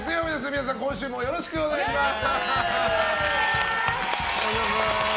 皆さん、今週もよろしくお願いいたします！